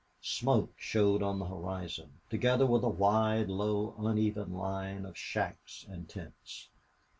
Smoke showed on the horizon, together with a wide, low, uneven line of shacks and tents.